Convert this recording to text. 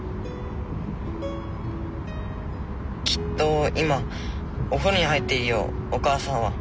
きっと今お風呂に入っているよお母さんは。